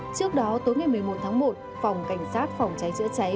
trước đó tối ngày một mươi một tháng một phòng cảnh sát phòng cháy chữa cháy